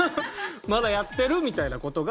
「まだやってる？」みたいな事が。